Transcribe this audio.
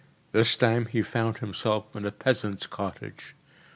This time he found himself in a peasant’s cottage.